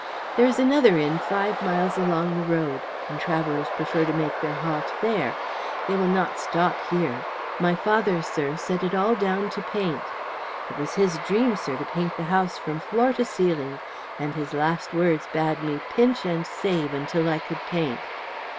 "There is another inn five miles along the road, and travellers prefer to make their halt there. They will not stop here. My father, sir, set it all down to paint. It was his dream, sir, to paint the house from floor to ceiling; his last words bade me pinch and save until I could paint.